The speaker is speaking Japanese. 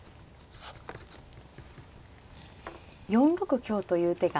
４六香という手が。